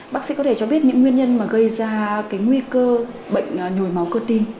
bác sĩ có thể cho biết những nguyên nhân mà gây ra cái nguy cơ bệnh nhồi máu cơ tim